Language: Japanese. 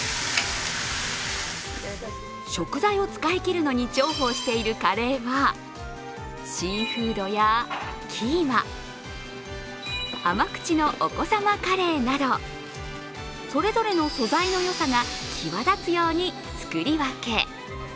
食材を使い切るのに重宝しているカレーはシーフードやキーマ、甘口のお子様カレーなどそれぞれの素材の良さが際立つように作り分け。